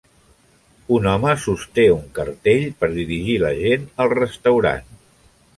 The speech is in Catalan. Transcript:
Un home sosté un cartell per dirigir la gent al restaurant